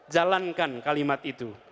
jalankan kalimat itu